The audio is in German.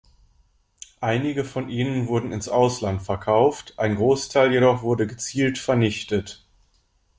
Einige von ihnen wurden ins Ausland verkauft, ein Großteil jedoch wurde gezielt vernichtet.